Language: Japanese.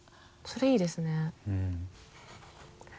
それいいですね。